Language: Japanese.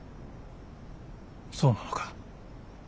そうなのか。